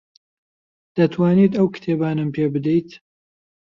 دەتوانیت ئەو کتێبانەم پێ بدەیت؟